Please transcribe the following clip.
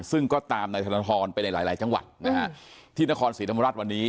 ซึ่งก็ตามนายธนทรไปในหลายหลายจังหวัดนะฮะที่นครศรีธรรมราชวันนี้